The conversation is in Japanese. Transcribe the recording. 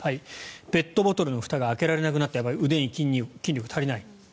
ペットボトルのふたが開けられなくなった腕に筋力が足りない。